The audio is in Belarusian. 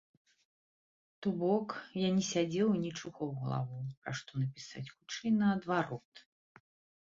То бок, я не сядзеў і не чухаў галаву, пра што напісаць, хутчэй, наадварот.